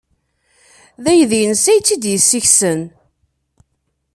D aydi-nnes ay t-id-yessikksen.